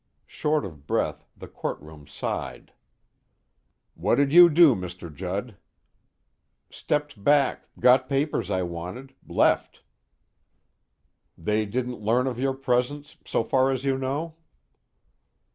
Short of breath, the courtroom sighed. "What did you do, Mr. Judd?" "Stepped back got papers I wanted left." "They didn't learn of your presence, so far as you know?"